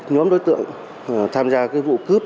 nhóm đối tượng tham gia vụ cướp